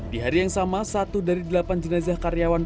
di hari yang sama satu dari delapan jenazah karyawan